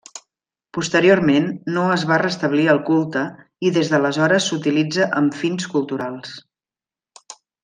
Posteriorment no es va restablir el culte i des d'aleshores s'utilitza amb fins culturals.